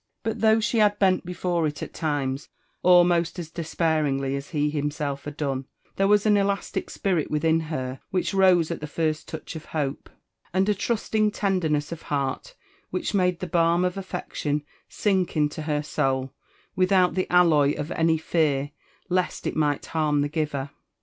But though she had heat before tt at times almost as despair ^ ingly as he himself had done, there was an elastic spirit withiti het which rose at the first touch of hope, and a truBtlng tenderness of heiart which made the balm of affection sink into her soul, wkhout the alloy of any fear fest it might harm the giver.